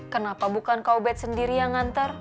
kenapa bukan kak ubed sendiri yang nganter